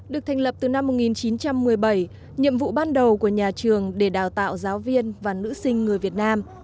được thành lập từ năm một nghìn chín trăm một mươi bảy nhiệm vụ ban đầu của nhà trường để đào tạo giáo viên và nữ sinh người việt nam